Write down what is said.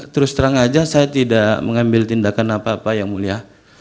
terus terang saja saya tidak mengambil tindakan apa apa yang mulia